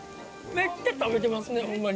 めっちゃ食べてますねホンマに。